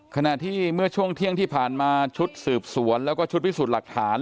ขณะที่เมื่อช่วงเที่ยงที่ผ่านมาชุดสืบสวนแล้วก็ชุดพิสูจน์หลักฐาน